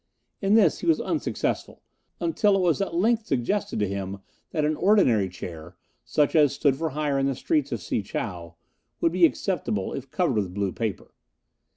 In this he was unsuccessful, until it was at length suggested to him that an ordinary chair, such as stood for hire in the streets of Si chow, would be acceptable if covered with blue paper.